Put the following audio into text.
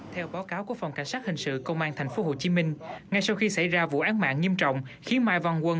theo báo cáo của phòng cảnh sát hình sự công an tp hcm ngay sau khi xảy ra vụ án mạng nghiêm trọng khiến mai văn quân